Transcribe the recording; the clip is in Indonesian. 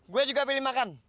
gua juga pilih makan